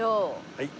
はい。